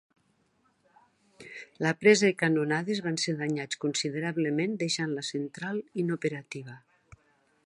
La presa i canonades van ser danyats considerablement, deixant la central inoperativa.